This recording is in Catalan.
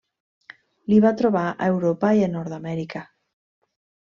L'hi va trobar a Europa i a Nord-amèrica.